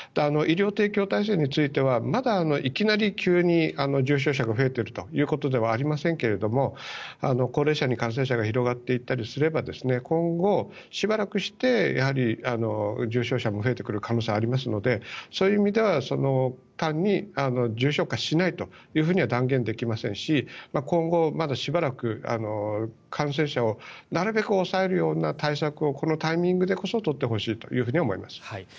医療提供体制についてはまだ、いきなり急に重症者が増えているということではありませんけども高齢者に感染者が広がっていったりすれば今後しばらくしてやはり重症者も増えてくる可能性がありますのでそういう意味では単に重症化しないというふうには断言できませんし今後、まだしばらく感染者をなるべく抑えるような対策をこのタイミングでこそ取ってほしいと思います。